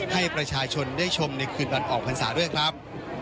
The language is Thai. ให้ประชาชนได้ชมในคืนวันออกภัณฑ์ศาสตร์ด้วยครับ